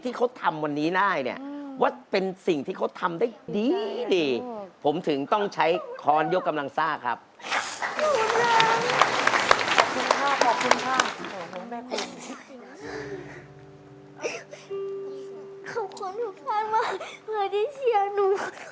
ตี้น่ายทำไมเชียร์หนู